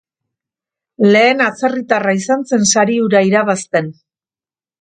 Lehen atzerritarra izan zen sari hura irabazten.